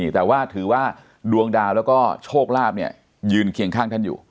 แต่ว่าถือว่าดวงดาวแล้วก็โชคลาภยืนเคียงข้างท่านอยู่